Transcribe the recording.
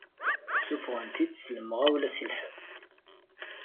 Ssufɣen-t-id s lemɣawla si lḥebs.